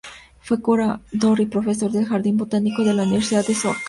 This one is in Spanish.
Fue curador y profesor del Jardín Botánico de la Universidad de Osaka.